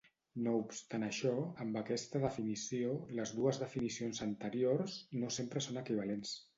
No obstant això, amb aquesta definició, les dues definicions anteriors, no sempre són equivalents.